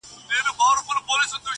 د ړندو په ښار کي وېش دی چي دا چور دی !.